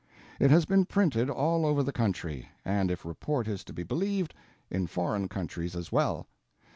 It has been printed all over the country, and if report is to be believed, in foreign countries as well.